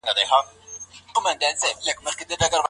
څنګه زیارکښ خلګ د با استعداده کسانو لپاره کار پیدا کوي؟